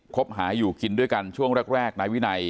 คบหาอยู่กินด้วยกันช่วงแรกนายวินัย